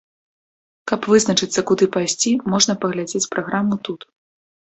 Каб вызначыцца, куды пайсці, можна паглядзець праграму тут.